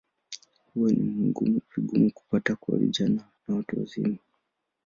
Huwa ni vigumu kupata kwa vijana na watu wazima.